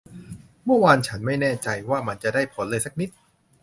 เมื่อวานฉันไม่แน่ใจว่ามันจะได้ผลเลยสักนิด